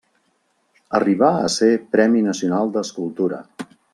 Arribà a ser Premi Nacional d'Escultura.